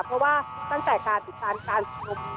เพราะว่าตั้งแต่การติดตามการชุมนุม